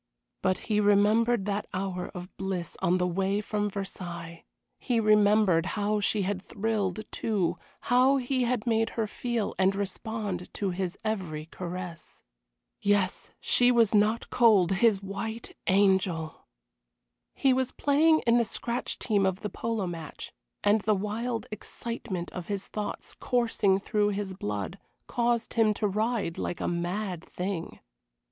But he remembered that hour of bliss on the way from Versailles; he remembered how she had thrilled, too, how he had made her feel and respond to his every caress. Yes she was not cold, his white angel! He was playing in the scratch team of the polo match, and the wild excitement of his thoughts, coursing through his blood, caused him to ride like a mad thing.